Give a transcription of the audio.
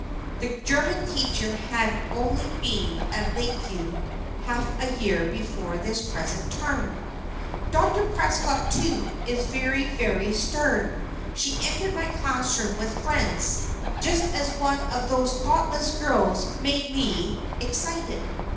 (The German teacher had only been at Lakeview Hall half a year before this present term.) "Dr. Prescott, too, is very, very stern. She entered my classroom, with friends, just as one of those thoughtless girls had made me excited.